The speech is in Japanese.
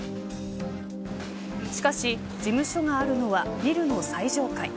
しかし、事務所があるのはビルの最上階。